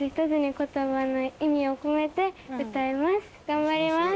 頑張ります。